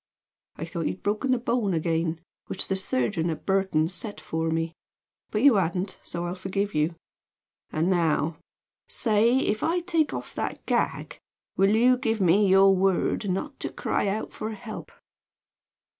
I thought you'd broken the bone again, which the surgeon at Burton set for me; but you hadn't, so I'll forgive you. And now, say, if I'll take off that gag will you give me your word not to cry out for help?"